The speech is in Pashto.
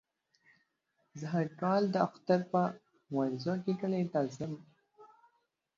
زه هر کال د اختر په ورځو کې کلي ته ځم.